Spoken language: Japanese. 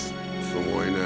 すごいね。